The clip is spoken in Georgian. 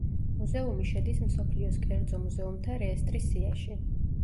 მუზეუმი შედის მსოფლიოს კერძო მუზეუმთა რეესტრის სიაში.